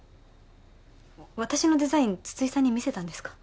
私のデザイン筒井さんに見せたんですか？